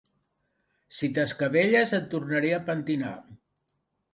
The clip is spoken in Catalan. Si t'escabelles et tornaré a pentinar.